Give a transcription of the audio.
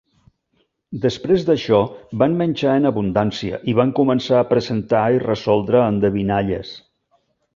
Després d'això van menjar en abundància i van començar a presentar i resoldre endevinalles.